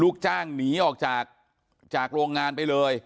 ลูกจ้างหนีออกจากโรงงานไปเลย